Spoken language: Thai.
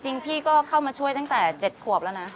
จริงพี่ก็เข้ามาช่วยตั้งแต่๗ขวบแล้วนะ